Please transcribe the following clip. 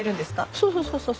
そうそうそうそう。